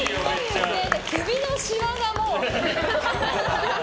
首のしわがもう。